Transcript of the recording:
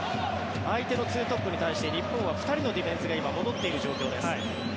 相手の２トップに対して日本は２人のディフェンスが今、戻っている状況です。